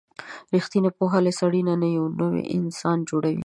رښتینې پوهه له سړي نه یو نوی انسان جوړوي.